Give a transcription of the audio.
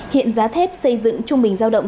hiện giá thép xây dựng trung bình giao động